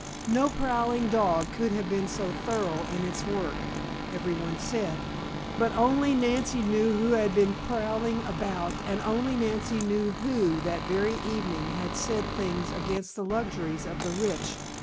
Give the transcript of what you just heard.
No prowling dog could have been so thorough in its work, everyone said, but only Nancy knew who had been prowling about, and only Nancy knew who, that very evening, had said things against the luxuries of the rich.